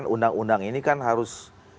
undang undang ini kan harus